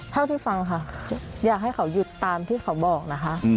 เท่าที่ฟังค่ะอยากให้เขาหยุดตามที่เขาบอกนะคะ